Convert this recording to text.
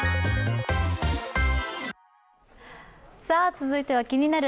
続いては「気になる！